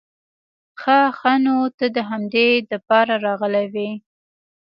خه خه نو ته د همدې د پاره راغلې وې؟